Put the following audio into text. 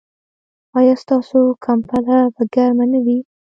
ایا ستاسو کمپله به ګرمه نه وي؟